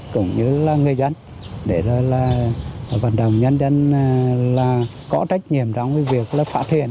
cũng như là người dân để vận động nhân dân có trách nhiệm trong việc phá thiền